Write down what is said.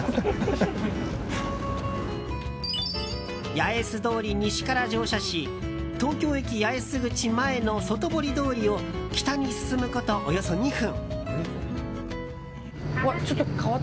八重洲通り西から乗車し東京駅八重洲口前の外堀通りを北に進むことおよそ２分。